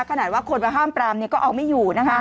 ขนาดว่าคนมาห้ามปรามก็เอาไม่อยู่นะคะ